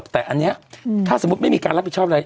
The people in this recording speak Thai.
แต่อันนี้ถ้าสมมุติไม่มีการรับผิดชอบอะไร